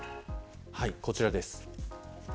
こちらです。